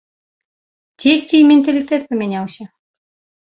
Дзесьці і менталітэт памяняўся.